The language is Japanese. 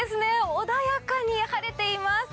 穏やかに晴れています。